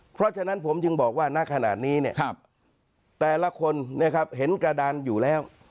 เพราะฉะนั้นผมจึงบอกว่าณขณะนี้แต่ละคนเห็นกระดานอยู่แล้ว